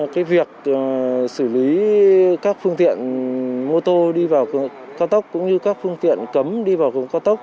cái việc xử lý các phương tiện mô tô đi vào cao tốc cũng như các phương tiện cấm đi vào vùng cao tốc